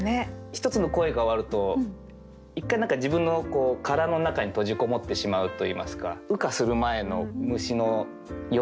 一つの恋が終わると一回何か自分の殻の中に閉じこもってしまうといいますか羽化する前の虫のような。